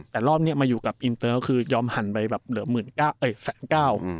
แต่รอบเนี้ยมาอยู่กับอินเตอร์ก็คือยอมหันไปแบบเหลือหมื่นเก้าเอ่ยแสนเก้า